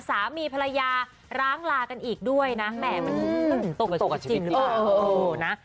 สามีภรรยาร้างลากันอีกด้วยนะแหมตกกับชีวิตหรือเปล่าเออนะ